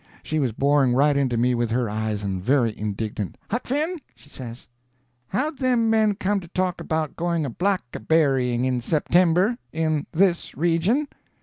She was boring right into me with her eyes, and very indignant. "Huck Finn," she says, "how'd them men come to talk about going a black berrying in September—in this region?"